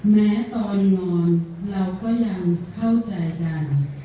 แม้ตอนนอนเราก็ยังเข้าใจกัน